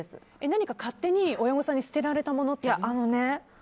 何か勝手に親御さんに捨てられたものってありますか？